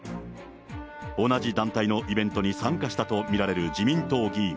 同じ団体のイベントに参加したと見られる自民党議員。